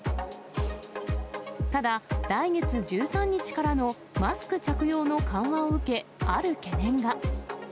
ただ、来月１３日からのマスク着用の緩和を受け、ある懸念が。